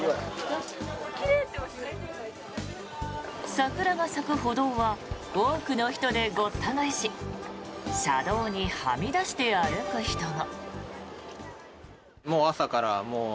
桜が咲く歩道は多くの人でごった返し車道にはみ出して歩く人も。